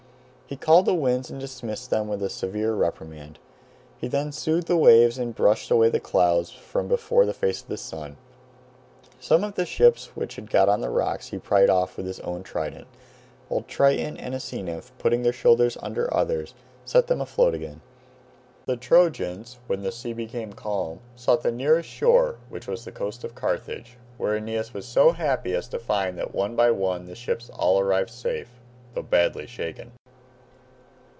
He called the winds and dismissed them with a severe reprimand. He then soothed the waves, and brushed away the clouds from before the face of the sun. Some of the ships which had got on the rocks he pried off with his own trident, while Triton and a sea nymph, putting their shoulders under others, set them afloat again. The Trojans, when the sea became calm, sought the nearest shore, which was the coast of Carthage, where Aeneas was so happy as to find that one by one the ships all arrived safe, though badly shaken.